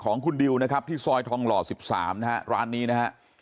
ของคุณดิวที่ซอยทองลอ๑๓นะครับร้านนี้นะครับ